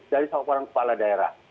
dari seorang kepala daerah